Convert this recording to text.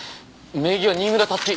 名義は新村辰希。